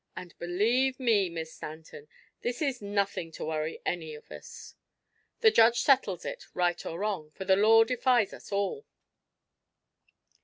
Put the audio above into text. And, believe me, Miss Stanton, this is nothing to worry any of us. The judge settles it, right or wrong, for the law defies us all."